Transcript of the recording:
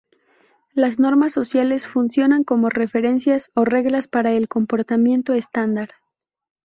Las normas sociales funcionan como referencias o reglas para el comportamiento estándar.